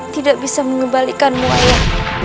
tidak bisa mengembalikanmu ayah